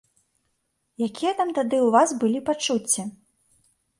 Якія там тады ў вас былі пачуцці?